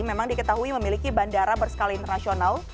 memang diketahui memiliki bandara berskala internasional